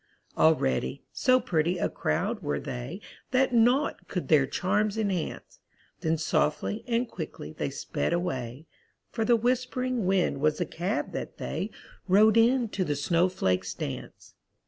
All ready, so pretty a crowd were they That naught could their charms enhance; Then softly and quickly they sped away, For the whisp'ring wind was the cab that they Rode in to the snowflakes' dance.